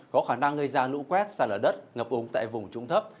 có khả năng gây ra lũ quét xa lở đất ngập ống tại vùng trung thấp